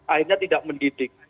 akhirnya tidak mendidik